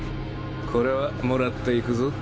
これはもらっていくぞ。